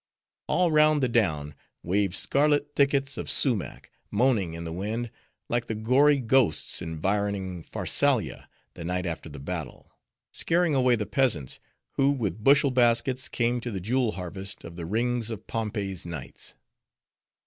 All round the down, waved scarlet thickets of sumach, moaning in the wind, like the gory ghosts environing Pharsalia the night after the battle; scaring away the peasants, who with bushel baskets came to the jewel harvest of the rings of Pompey's knights.